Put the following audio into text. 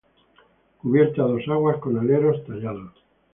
Cubierta a dos aguas con aleros tallados.